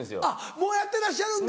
もうやってらっしゃるんだ。